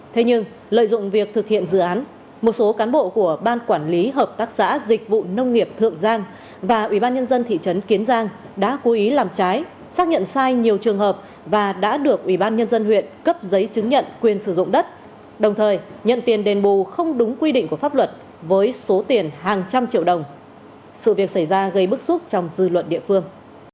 thế nhưng lợi dụng việc thực hiện dự án một số cán bộ của ban quản lý hợp tác xã dịch vụ nông nghiệp thượng giang và ubnd thị trấn kiến giang đã cố ý làm trái xác nhận sai nhiều trường hợp và đã được ubnd huyện cấp giấy chứng nhận quyền sử dụng đất đồng thời nhận tiền đền bù không đúng quy định của pháp luật với số tiền hàng trăm triệu đồng sự việc xảy ra gây bức xúc trong dư luận địa phương